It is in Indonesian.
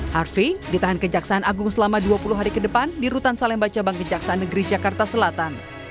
harvey ditahan kejaksaan agung selama dua puluh hari ke depan di rutan salemba cabang kejaksaan negeri jakarta selatan